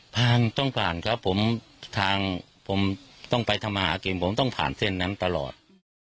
ผ่านต้องผ่านครับผมทางผมต้องไปทำมาหากินผมต้องผ่านเส้นนั้นตลอด